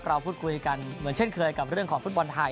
เราพูดคุยกันเหมือนเช่นเคยกับเรื่องของฟุตบอลไทย